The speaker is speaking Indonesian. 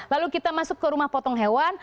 lalu kita masuk ke rumah potong hewan